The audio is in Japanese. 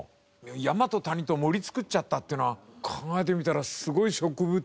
山と谷と森造っちゃったっていうのは考えてみたらすごい植物園だよね。